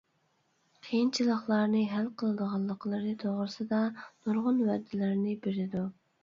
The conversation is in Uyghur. قىيىنچىلىقلارنى ھەل قىلىدىغانلىقلىرى توغرىسىدا نۇرغۇن ۋەدىلەرنى بېرىدۇ.